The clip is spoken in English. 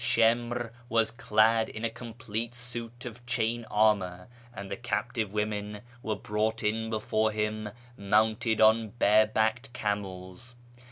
Shimr was clad in a complete suit of chain armour, and the captive women were brought in before him mounted on barebacked camels.